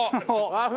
和風？